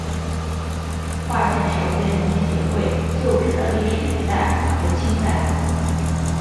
化县首届农民协会旧址的历史年代为清代。